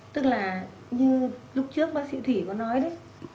tức là như lúc trước bác sĩ thủy có nói đấy